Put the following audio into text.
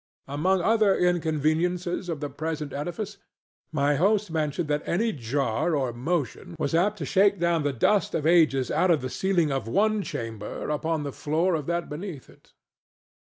Among other inconveniences of the present edifice, mine host mentioned that any jar or motion was apt to shake down the dust of ages out of the ceiling of one chamber upon the floor of that beneath it.